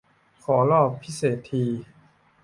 ขอรอบพิเศษ ที